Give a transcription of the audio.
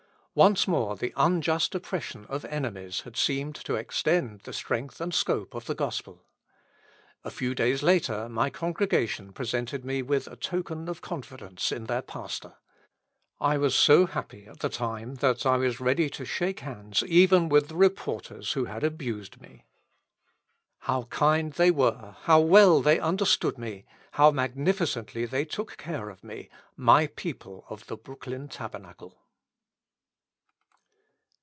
Once more the unjust oppression of enemies had seemed to extend the strength and scope of the Gospel. A few days later my congregation presented me with a token of confidence in their pastor. I was so happy at the time that I was ready to shake hands even with the reporters who had abused me. How kind they were, how well they understood me, how magnificently they took care of me, my people of the Brooklyn Tabernacle!